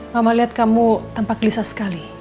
mama lihat kamu tampak gelisah sekali